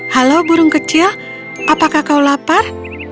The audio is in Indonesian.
halo burung kecil apakah kau lapar